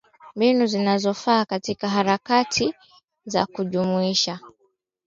Mbinu inazofaa katika harakati za kujumuisha masuala ya mazingira